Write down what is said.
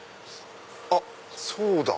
あっそうだ！